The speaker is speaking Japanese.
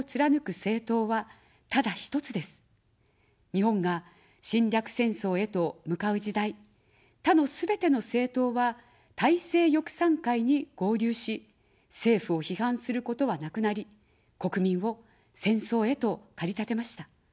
日本が侵略戦争へと向かう時代、他のすべての政党は大政翼賛会に合流し、政府を批判することはなくなり、国民を戦争へと駆り立てました。